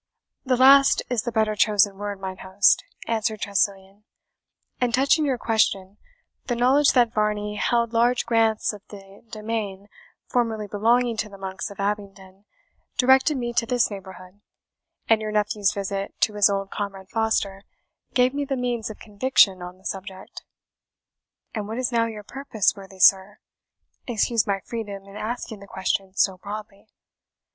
"The last is the better chosen word, mine host," answered Tressilian; "and touching your question, the knowledge that Varney held large grants of the demesnes formerly belonging to the monks of Abingdon directed me to this neighbourhood; and your nephew's visit to his old comrade Foster gave me the means of conviction on the subject." "And what is now your purpose, worthy sir? excuse my freedom in asking the question so broadly."